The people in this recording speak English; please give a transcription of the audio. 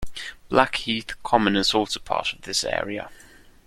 Blackheath Common is also part of this area.